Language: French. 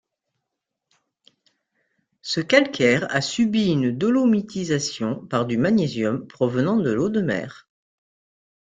Ce calcaire a subi une dolomitisation par du magnésium provenant de l'eau de mer.